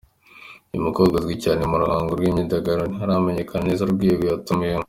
Uyu mukobwa azwi cyane mu ruhando rw’imyidagaduro ntiharamenyekana neza urwego yatumiwemo.